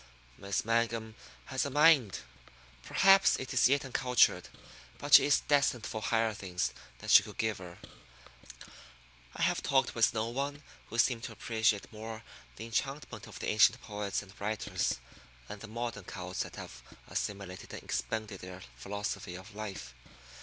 Miss Mangum has a mind. Perhaps it is yet uncultured, but she is destined for higher things than you could give her. I have talked with no one who seemed to appreciate more the enchantment of the ancient poets and writers and the modern cults that have assimilated and expended their philosophy of life.